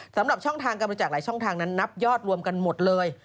สำหรับช่องทางการบริจาคหลายช่องทางนั้นนับยอดรวมกันหมดเลย